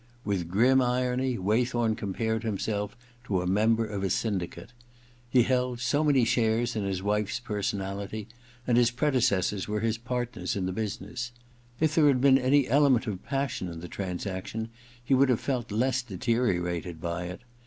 With grim irony Waythorn compared himself to a member of a syndicate. He held so many shares in his wife's 69 70 THE OTHER TWO v personality and his predecessors were his part ners in the business. If there had been any element of passion in the transaction he would have felt less deteriorated by it.